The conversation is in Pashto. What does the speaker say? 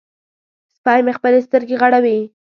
سپی مې خپلې سترګې غړوي.